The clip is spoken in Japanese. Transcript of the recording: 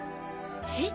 えっ？